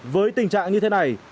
với tình trạng như thế này